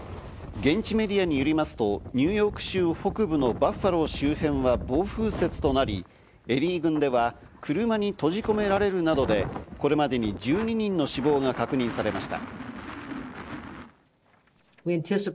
現地メディアによりますと、ニューヨーク州北部のバッファロー周辺は暴風雪となり、エリー郡では車に閉じ込められるなどで、これまでに１２人の死亡が確認されました。